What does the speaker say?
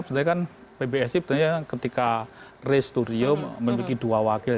sebenarnya kan pbsi ketika rise to rio memiliki dua wakil